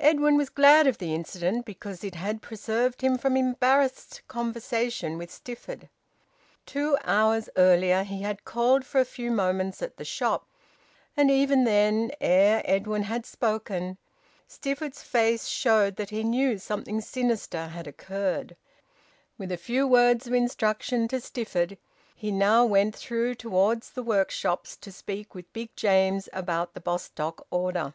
Edwin was glad of the incident because it had preserved him from embarrassed conversation with Stifford. Two hours earlier he had called for a few moments at the shop, and even then, ere Edwin had spoken, Stifford's face showed that he knew something sinister had occurred. With a few words of instruction to Stifford, he now went through towards the workshops to speak with Big James about the Bostock order.